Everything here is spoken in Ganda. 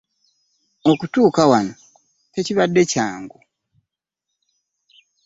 Okutuuka wano tekibadde kyangu.